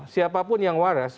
siapapun yang waras